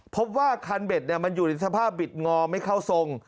พบว่าคันเบ็ดมันอยู่ในสภาพบิดงอไม่เข้าทรง